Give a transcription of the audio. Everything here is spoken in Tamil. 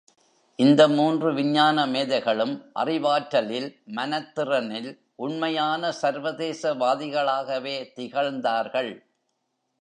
இந்த மூன்று விஞ்ஞான மேதைகளும் அறிவாற்றலில் மனத்திறனில் உண்மையான சர்வதேசவாதிகளாகவே திகழ்ந்தார்கள்!